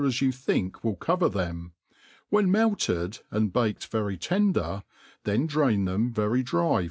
a» you think wHl ^over them, when melted, and baked very teiH 4f^f^ then drain tbem v^ry dry.